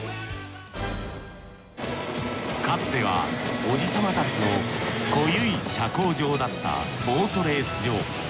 かつてはおじさまたちの濃ゆい社交場だったボートレース場。